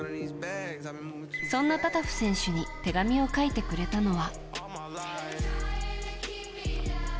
そんなタタフ選手に手紙を書いてくれたのは。